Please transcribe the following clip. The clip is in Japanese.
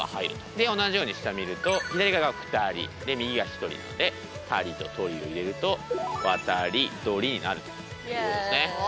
で同じように下見ると左側が２人右が１人なので「たり」と「とり」を入れると「わたりどり」になるということですね。